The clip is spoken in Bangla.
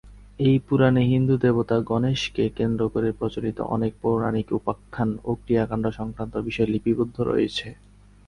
এই পুরাণে হিন্দু দেবতা গণেশকে কেন্দ্র করে প্রচলিত অনেক পৌরাণিক উপাখ্যান ও ক্রিয়াকাণ্ড-সংক্রান্ত বিষয় লিপিবদ্ধ রয়েছে।